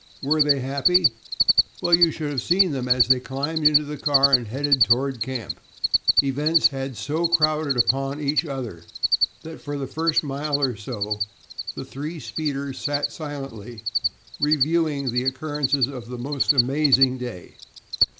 Were they happy? well, you should have seen them as they climbed into the car and headed toward camp. Events had so crowded upon each other that for the first mile or so the three speeders sat silently reviewing the occurrences of this most amazing day.